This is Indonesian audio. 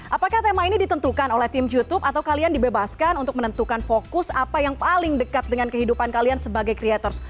apakah tema ini ditentukan oleh tim youtube atau kalian dibebaskan untuk menentukan fokus apa yang paling dekat dengan kehidupan kalian sebagai creators